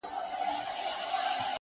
د سترگو سرو لمبو ته دا پتنگ در اچوم;